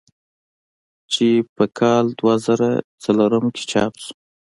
چې پۀ کال دوه زره څلورم کښې چاپ شو ۔